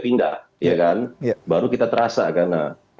pindah baru kita terasa karena